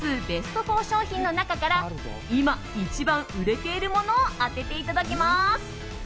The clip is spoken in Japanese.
ベスト４商品の中から今、一番売れているものを当てていただきます。